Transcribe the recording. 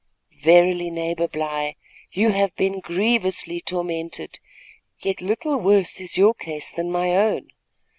"Verily, neighbor Bly, you have been grievously tormented; yet little worse is your case than my own.